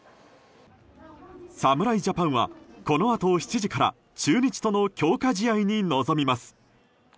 侍ジャパンは、このあと７時から中日との強化試合に臨みます。